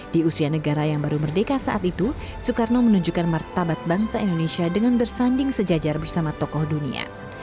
di usia negara yang baru merdeka saat itu soekarno menunjukkan martabat bangsa indonesia dengan bersanding sejajar bersama tokoh dunia